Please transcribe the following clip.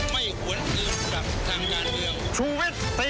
ไม่ควรอื่นกลับทางยานเดียว